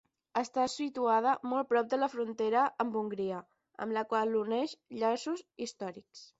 Està situada molt prop de la frontera amb Hongria, amb la qual l'uneixen llaços històrics.